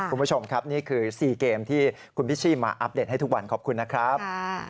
คุณผู้ชมครับนี่คือ๔เกมที่คุณพิชชี่มาอัปเดตให้ทุกวันขอบคุณนะครับ